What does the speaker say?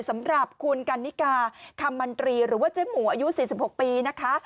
สำหรับคุณกันนิกาคำมันตรีหรือว่าเจ๊หมูอายุ๔๖ปีนะคะ